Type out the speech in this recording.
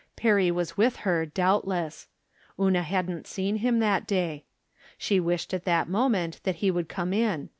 Perry was with her, doubtless. Una hadn't seen him that day. She wished at that moment that he would come in.